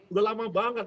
udah lama banget